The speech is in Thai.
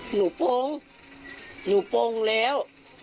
หนูปงหนูปงแล้ว